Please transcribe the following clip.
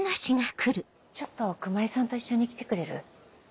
ちょっと熊井さんと一緒に来てくれる？